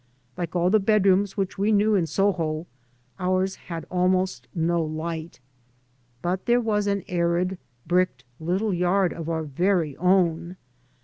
Like all the bedrooms which we knew in Soho, ours had almost no light. But there was an arid bricked little yard of our very own.